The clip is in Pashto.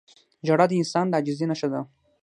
• ژړا د انسان د عاجزۍ نښه ده.